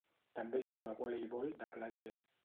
També juga a voleibol de platja.